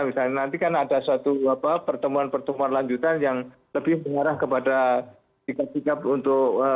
misalnya nanti kan ada suatu pertemuan pertemuan lanjutan yang lebih mengarah kepada sikap sikap untuk